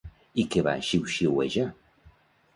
I què va xiuxiuejar?